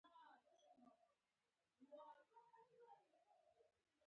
علي د کور کار ته ناروغ پردي کار ته روغ وي.